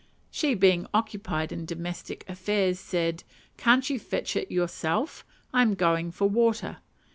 She, being occupied in domestic affairs, said, "Can't you fetch it yourself? I am going for water."